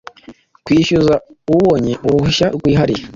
kwishyuza ubonye uruhushya rwihariye